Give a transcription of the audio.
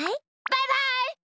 バイバイ！